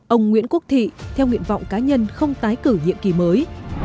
ông nguyễn quốc thị theo nguyện vọng cá nhân không tái cử nhiệm kỳ mới